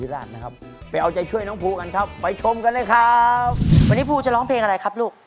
แล้วนี่ฟูจะร้องเพลงอะไรครับลูก